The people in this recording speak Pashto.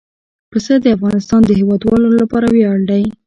پسه د افغانستان د هیوادوالو لپاره ویاړ دی.